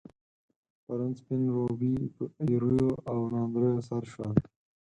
پرون، سپين روبي په ايريو او ناندريو سر شول.